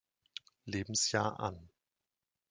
Lebensjahr an.